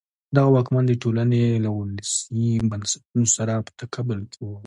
دغه واکمنان د ټولنې له ولسي بنسټونو سره په تقابل کې وو.